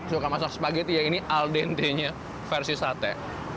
suka masak spageti ya ini al dente nya versi sate